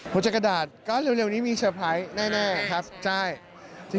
หัวใจกระดาษก็เร็วนี้มีเฉพาะแน่ครับใช่